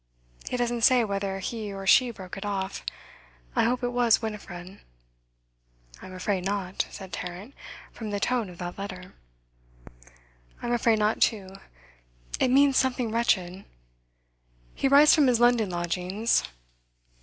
He doesn't say whether he or she broke it off. I hope it was Winifred.' 'I'm afraid not,' said Tarrant, 'from the tone of that letter.' 'I'm afraid not, too. It means something wretched. He writes from his London lodgings.